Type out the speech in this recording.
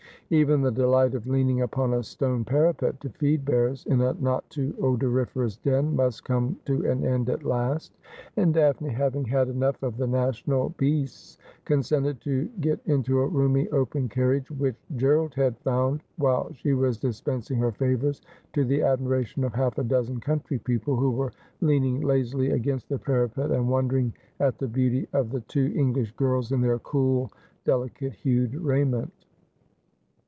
Even the delight of leaning upon a stone parapet to feed bears in a not too odoriferous den must come to an end at last, and Daphnfe, having had enough of the national beasts, con sented to get into a roomy open carriage which Gerald had found while she was dispensing her favours, to the admiration of half a dozen country people, who were leaning lazily against 304 Asphodel. the parapet, and wondering at the beauty of the two English girls in their cool delicate hued raiment.